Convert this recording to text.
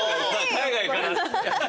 海外から。